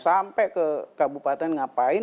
sampai ke kabupaten ngapain